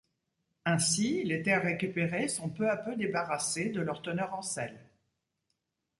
Ainsi, les terres récupérées sont peu à peu débarrassées de leur teneur en sel.